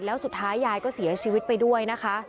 แล้วสุดท้ายยายก็เสียชีวิตไปด้วยนะคะ